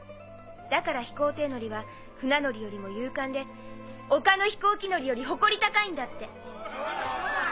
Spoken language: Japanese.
だから飛行艇乗りは船乗りよりも勇敢で陸の飛行機乗りより誇り高いんだって。